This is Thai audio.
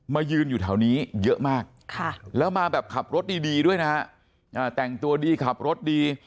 ยืนอยู่แถวนี้เยอะมากแล้วมาแบบขับรถดีด้วยนะฮะแต่งตัวดีขับรถดี